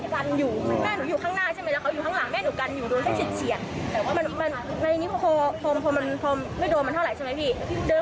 พ่อหนูเขาเลยยิงสวนกลับมาหนูก็เฉียดขามันนิดนึง